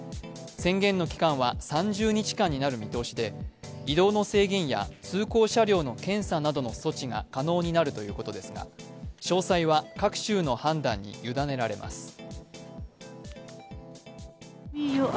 宣言の期間は３０日間になる見通しで移動の制限や通行車両の検査などの措置が可能になるということですが詳細は各州の判断に委ねられます。